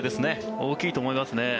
大きいと思いますね。